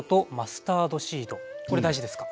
これ大事ですか？